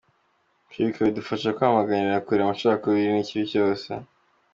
Kwibuka bidufashe kwamaganira kure amacakubiri, n’ikibi cyose”.